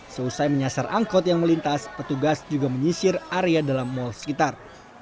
seusai menyasar angkot yang melintas petugas juga menyisir area dalam mal sekitar